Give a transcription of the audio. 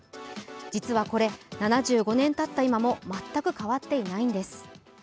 実はこれ、７５年たった今も全く変わっていないんです。